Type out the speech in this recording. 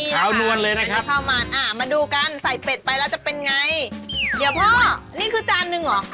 ขาวนวลเลยนะครับข้าวมันอ่ามาดูกันใส่เป็ดไปแล้วจะเป็นไงเดี๋ยวพ่อนี่คือจานหนึ่งเหรอ